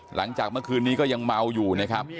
หลังจากเมื่อคืนนี้ก็ยังเมาอยู่นะครับ